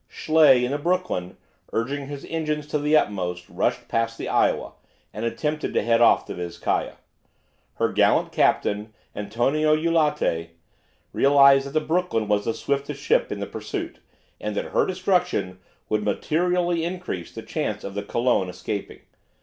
Schley, in the "Brooklyn," urging his engines to the utmost, rushed past the "Iowa," and attempted to head off the "Vizcaya." Her gallant captain, Antonio Eulate, realized that the "Brooklyn" was the swiftest ship in the pursuit, and that her destruction would materially increase the chance of the "Colon" escaping.